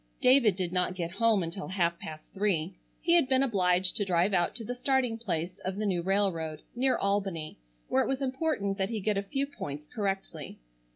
David did not get home until half past three. He had been obliged to drive out to the starting place of the new railroad, near Albany, where it was important that he get a few points correctly.